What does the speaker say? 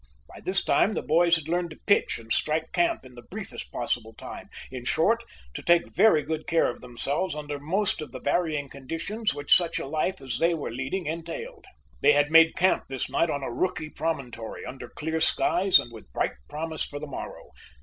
By this time the boys had learned to pitch and strike camp in the briefest possible time in short, to take very good care of themselves under most of the varying conditions which such a life as they were leading entailed. They had made camp this night on a rooky promontory, under clear skies and with bright promise for the morrow.